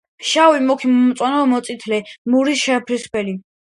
შავი, მუქი მომწვანო, მოწითალო მურა შეფერილობისაა.